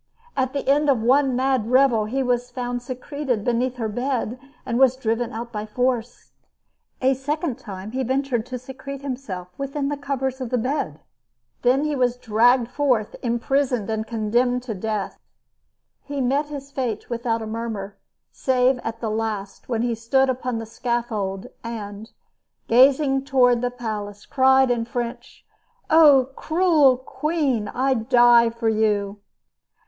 At the end of one mad revel he was found secreted beneath her bed, and was driven out by force. A second time he ventured to secrete himself within the covers of the bed. Then he was dragged forth, imprisoned, and condemned to death. He met his fate without a murmur, save at the last when he stood upon the scaffold and, gazing toward the palace, cried in French: "Oh, cruel queen! I die for you!"